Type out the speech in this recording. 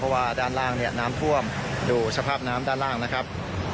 เพราะว่าด้านล่างเนี่ยน้ำท่วมดูสภาพน้ำด้านล่างนะครับ